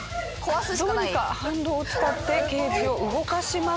どうにか反動を使ってケージを動かします。